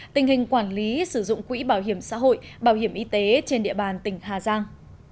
tình hình quản lý sử dụng quỹ bảo hiểm xã hội bảo hiểm y tế trên địa bàn tỉnh hà giang